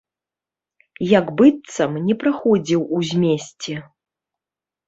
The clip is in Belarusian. Як быццам не праходзіў у змесце!